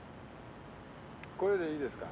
これでいいですか？